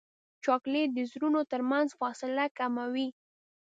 چاکلېټ د زړونو ترمنځ فاصله کموي.